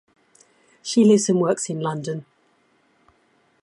She lives and works in London.